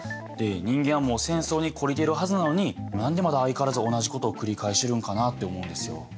で人間はもう戦争に懲りてるはずなのに何でまだ相変わらず同じことを繰り返してるんかなって思うんですよ。